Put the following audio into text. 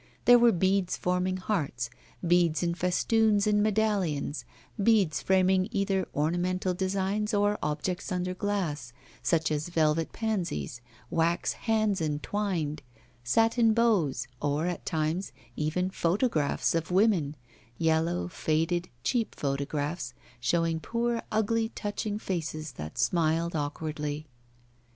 There were beads forming hearts, beads in festoons and medallions, beads framing either ornamental designs or objects under glass, such as velvet pansies, wax hands entwined, satin bows, or, at times, even photographs of women yellow, faded, cheap photographs, showing poor, ugly, touching faces that smiled awkwardly.